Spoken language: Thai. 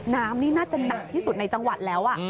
น้ำนี่น่าจะหนักที่สุดในจังหวัดแล้ว